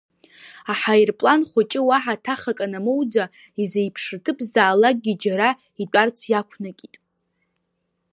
Аҳаирплан хәыҷы уаҳа ҭахак анамоуӡа, изеиԥшраҭыԥзаалакгьы џьара итәарц иақәнакит.